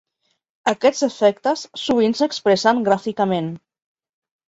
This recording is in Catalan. Aquests efectes sovint s'expressen gràficament.